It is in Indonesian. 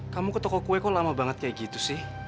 kamu ke toko kue kok lama banget kayak gitu sih